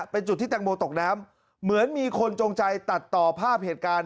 เป็นจุดที่แตงโมตกน้ำเหมือนมีคนจงใจตัดต่อภาพเหตุการณ์